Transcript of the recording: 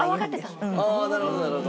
ああなるほどなるほど。